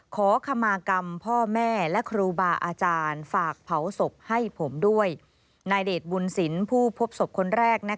ขอขมากรรมพ่อแม่และครูบาอาจารย์ฝากเผาศพให้ผมด้วยนายเดชบุญศิลป์ผู้พบศพคนแรก